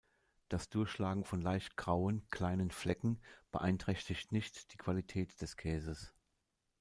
Das Durchschlagen von leicht grauen, kleinen Flecken beeinträchtigt nicht die Qualität des Käses.